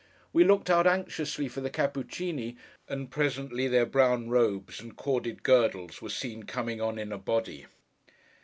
We looked out anxiously for the Cappuccíni, and presently their brown robes and corded girdles were seen coming on, in a body.